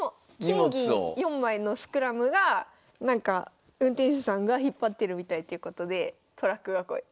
金銀４枚のスクラムがなんか運転手さんが引っ張ってるみたいっていうことでトラック囲い。